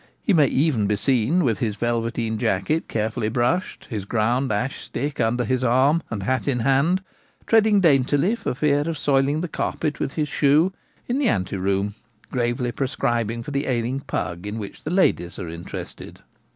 He may even be seen, with his velveteen jacket carefully brushed, his ground ash stick under his arm, and hat in hand, treading daintily for fear of soiling the carpet with his shoe, in the ante room, gravely prescribing for the ailing pug in which the ladies are interested.